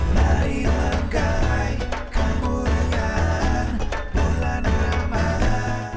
marilah gapai kemuliaan kemuliaan bulan ramadhan